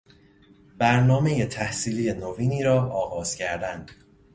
برنامهی تحصیلی نوینی را آغاز کردن